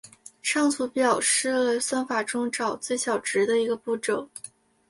上图表示了算法中找最小值的一个步骤。